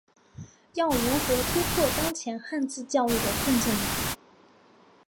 要如何突破当前汉字教育的困境呢？